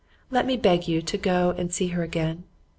Let me beg you to go and see her again.